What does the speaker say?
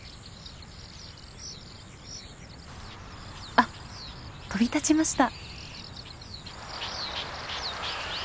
あっ飛び立ちました。